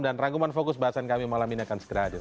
dan rangkuman fokus bahasan kami malam ini akan segera hadir